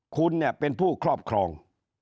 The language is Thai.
คุณเนี่ยเป็นผู้ครอบครอง